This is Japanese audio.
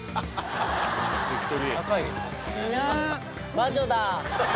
魔女だ。